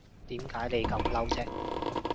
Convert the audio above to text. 點解你咁嬲啫